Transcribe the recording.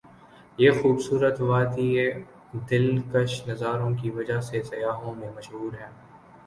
یہ خو بصورت وادی ا دل کش نظاروں کی وجہ سے سیاحوں میں مشہور ہے ۔